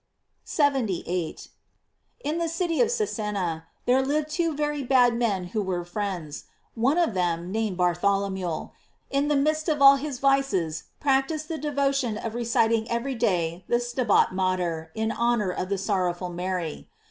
f 78. — In the city of Cesena there lived two very bad men who were friends. One of them, named Bartholomew, in the midst of all his vi ces practised the devotion of reciting everyday the "Stabat Mater" in honor of the sorrowful Mary.